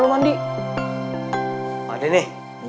sampai ketemu lagi